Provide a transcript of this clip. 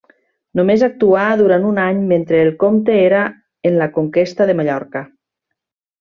Només actuà durant un any mentre el comte era en la conquesta de Mallorca.